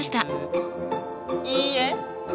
いいえ。